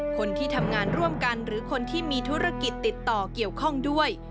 คนที่ทำงานร่วมกันหรือคนที่มีธุรกิจติดต่อเกี่ยวข้องด้วย